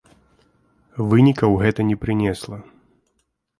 Вынікаў гэта не прынесла.